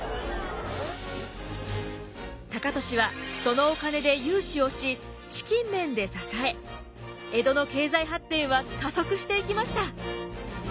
高利はそのお金で融資をし資金面で支え江戸の経済発展は加速していきました。